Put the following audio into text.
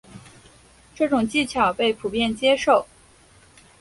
这种技巧被普遍接受。